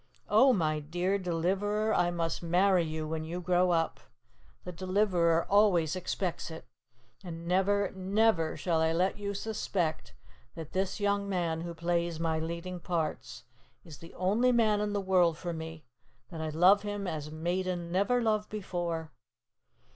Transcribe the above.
"Oh, my dear Deliverer, I must marry you when you grow up. The Deliverer always expects it. And never, never, shall I let you suspect that this young man who plays my leading parts is the only man in the world for me, that I love him as maiden never loved before.